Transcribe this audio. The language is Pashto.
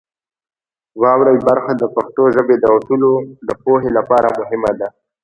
واورئ برخه د پښتو ژبې د اصولو د پوهې لپاره مهمه ده.